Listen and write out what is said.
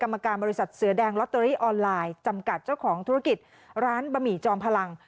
กรรมการบริษัทเสือแดงลอตเตอรี่ออนไลน์จำกัดเจ้าของธุรกิจร้านบะหมี่จอมพลัง